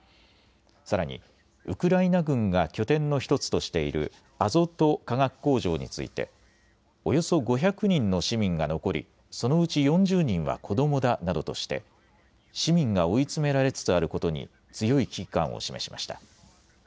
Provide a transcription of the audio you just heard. さらにウクライナ軍が拠点の１つとしているアゾト化学工場についておよそ５００人の市民が残りそのうち４０人は子どもだなどとして市民が追い詰められつつあることに強い危機感を示しました。